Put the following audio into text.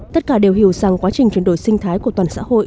tất cả đều hiểu rằng quá trình chuyển đổi sinh thái của toàn xã hội